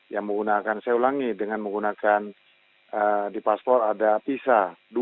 yang menggunakan saya ulangi dengan menggunakan di paspor ada pisa